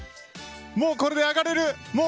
もう、これで上がれる！